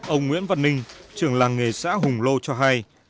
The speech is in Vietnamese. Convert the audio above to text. ông nguyễn văn ninh trưởng làng nghề xã hùng lô cho hay